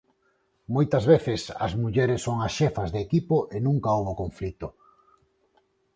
Moitas veces, as mulleres son as xefas de equipo e nunca houbo conflito.